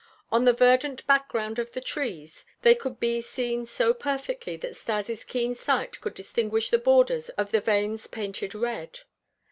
On the verdant background of the trees they could be seen so perfectly that Stas' keen sight could distinguish the borders of the vanes painted red.